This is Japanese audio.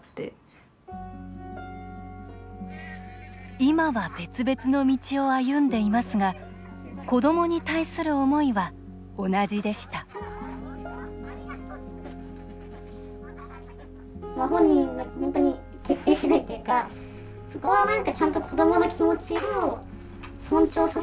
今は別々の道を歩んでいますが子どもに対する思いは同じでしたありがとうございました。